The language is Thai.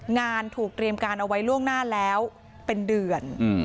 งานถูกเตรียมการเอาไว้ล่วงหน้าแล้วเป็นเดือน